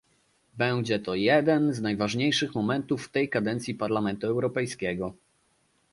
Będzie to jeden z najważniejszych momentów w tej kadencji Parlamentu Europejskiego